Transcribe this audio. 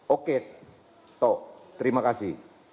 oke toh terima kasih